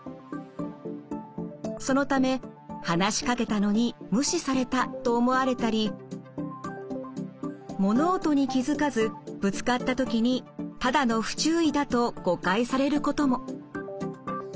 そのため話しかけたのに無視されたと思われたり物音に気付かずぶつかった時にただの不注意だと誤解されることも。